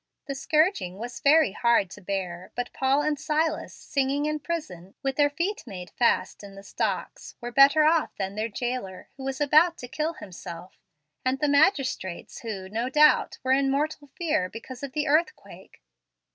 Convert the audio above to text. The scourging was very hard to bear; but Paul and Silas, singing in prison, with their feet made fast in the stocks, were better off than their jailer, who was about to kill himself, and the magistrates, who, no doubt, were in mortal fear because of the earthquake.